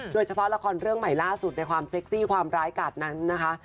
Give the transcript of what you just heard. โดยเฉพาะละครเรื่องใหม่ล่าสุดในความเซ็กซี่ความร้ายกาดนั้นนะคะ